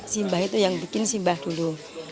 simbah itu yang bikin simbah dulu